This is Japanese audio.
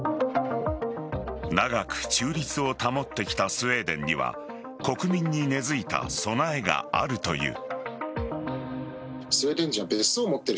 長く中立を保ってきたスウェーデンには国民に根づいた備えがあるという。